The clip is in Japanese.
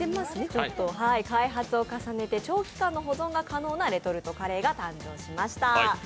開発を重ねて長期間の保存が可能なレトルトカレーが誕生しました。